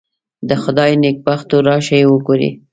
د خدای نېکبختو راشئ وګورئ.